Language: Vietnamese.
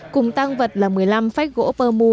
cùng tăng vật là một mươi năm phách gỗ pơ mu